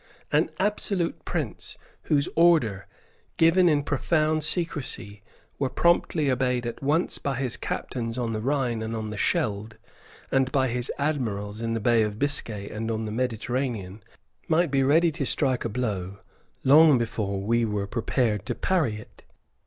An absolute prince, whose orders, given in profound secresy, were promptly obeyed at once by his captains on the Rhine and on the Scheld, and by his admirals in the Bay of Biscay and in the Mediterranean, might be ready to strike a blow long before we were prepared to parry it.